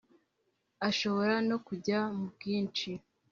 ashobora no kujya mu bwinshi,